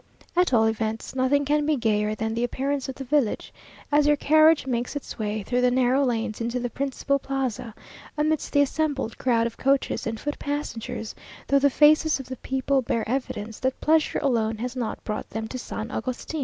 At all events, nothing can be gayer than the appearance of the village, as your carriage makes its way through the narrow lanes into the principal plaza, amidst the assembled crowd of coaches and foot passengers; though the faces of the people bear evidence that pleasure alone has not brought them to San Agustin.